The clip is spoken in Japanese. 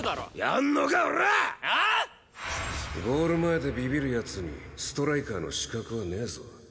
ゴール前でビビる奴にストライカーの資格はねえぞ。